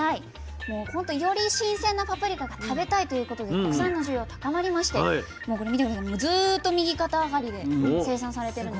もうほんとより新鮮なパプリカが食べたいということで国産の需要高まりましてずっと右肩上がりで生産されてるんですね。